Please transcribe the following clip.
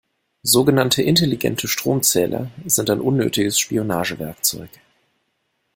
Sogenannte intelligente Stromzähler sind ein unnötiges Spionagewerkzeug.